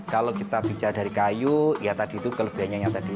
kalau kita bicara dari kayu ya tadi itu kelebihannya